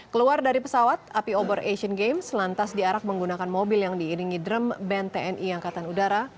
keluar dari pesawat api obor asian games lantas diarak menggunakan mobil yang diiringi drum band tni angkatan udara